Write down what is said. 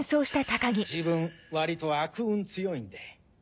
自分割と悪運強いんで。